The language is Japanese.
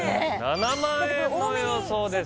７万円の予想です